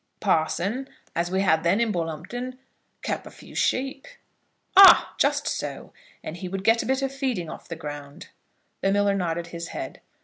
"Parson, as we had then in Bull'umpton, kep' a few sheep." "Ah! just so. And he would get a bit of feeding off the ground?" The miller nodded his head.